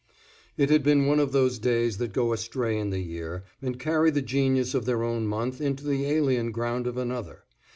IT had been one of those days that go astray in the year, and carry the genius of their own month into the alien ground of another.